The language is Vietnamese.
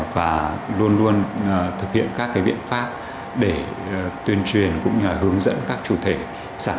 và luôn luôn thực hiện các biện pháp để tuyên truyền cũng như là hướng dẫn các chủ thể